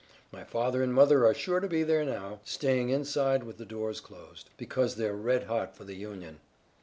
My father and mother are sure to be there now, staying inside with the doors closed, because they're red hot for the Union.